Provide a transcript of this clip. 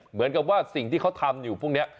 เหมือนกับว่าสิ่งที่เขาทำอยู่พวกนี้